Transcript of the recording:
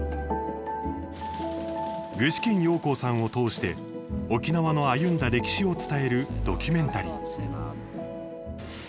具志堅用高さんを通して沖縄の歩んだ歴史を伝えるドキュメンタリー。